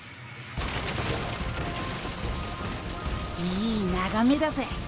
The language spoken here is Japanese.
いいながめだぜ。